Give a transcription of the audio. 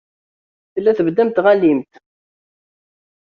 Tella tbedd am tɣanimt.